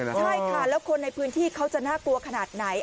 ใช่ค่ะแล้วคนในพื้นที่เขาจะน่ากลัวขนาดไหน